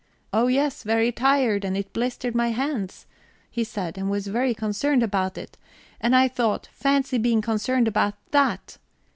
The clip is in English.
'Oh yes, very tired, and it blistered my hands,' he said, and was very concerned about it. And I thought: Fancy being concerned about that!